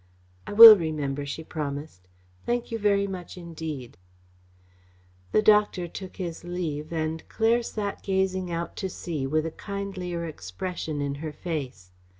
"I will remember," she promised. "Thank you very much indeed." The doctor took his leave and Claire sat gazing out to sea with a kindlier expression in her face.